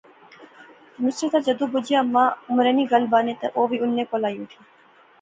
نصرتا جیدوں بجیا اماں عمرانے نی گل بانے تے او وی انیں کول آئی اوٹھی